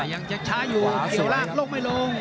ยังจะช้าอยู่เกี่ยวล่างลงไม่ลง